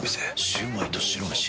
シュウマイと白めし。